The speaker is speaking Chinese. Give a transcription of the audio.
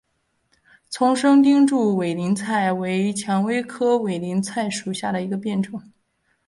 丛生钉柱委陵菜为蔷薇科委陵菜属下的一个变种。